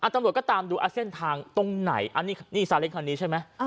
ตำรวจก็ตามดูเส้นทางตรงไหนอันนี้ซาเล้งคันนี้ใช่ไหม